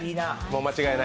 間違いない？